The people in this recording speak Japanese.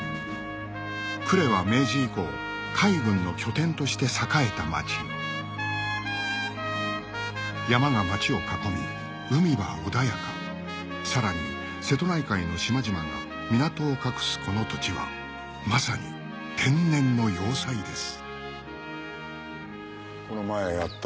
呉は明治以降海軍の拠点として栄えた町山が町を囲み海は穏やかさらに瀬戸内海の島々が港を隠すこの土地はまさに天然の要塞です